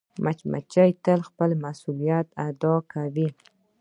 مچمچۍ تل خپل مسؤولیت ادا کوي